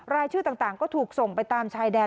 รายชื่อต่างก็ถูกส่งไปตามชายแดน